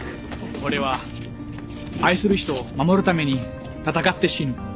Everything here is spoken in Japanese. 俺は愛する人を守るために戦って死ぬ。